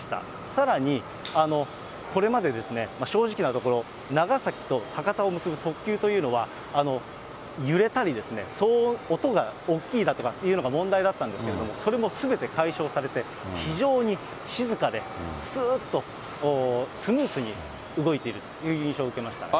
さらに、これまで正直なところ、長崎と博多を結ぶ特急というのは、揺れたり、騒音、音が大きいだとかが問題だったんですけれども、それもすべて解消されて、非常に静かで、すーっとスムーズに動いているという印象を受けましたね。